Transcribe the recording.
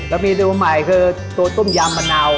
แล้วเมนูใหม่คือตัวต้มยำมะนาว